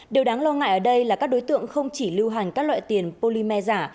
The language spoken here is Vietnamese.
điều đáng lo ngại ở đây là các đối tượng không chỉ lưu hành các loại tiền polymer giả